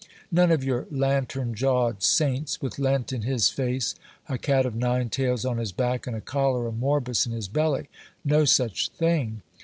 None of your lantern jawed saints, with Lent in his face, a cat of nine tails on his back, and a cholera morbus in his belly. No such thing!